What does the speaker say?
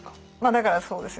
だからそうですよね